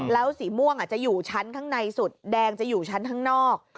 แล้วสีม่วงจะอยู่ชั้นข้างในสุดแดงจะอยู่ชั้นข้างนอก